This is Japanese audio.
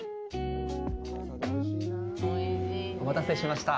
お待たせしました。